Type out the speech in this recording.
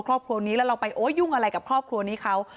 ครอบครัวนี้แล้วเราไปโอ้ยุ่งอะไรกับครอบครัวนี้เขา